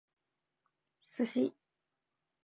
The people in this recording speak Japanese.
sushi